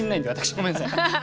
ごめんなさい。